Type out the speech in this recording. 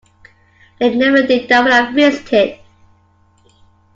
They never did that when I visited.